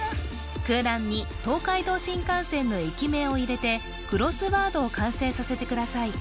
空欄に東海道新幹線の駅名を入れてクロスワードを完成させてください